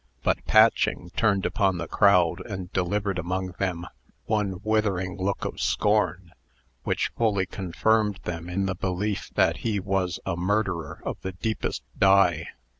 But Patching turned upon the crowd, and delivered among them one withering look of scorn, which fully confirmed them in the belief that he was a murderer of the deepest dye.